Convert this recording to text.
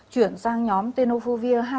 chuyển sang nhóm tenofovir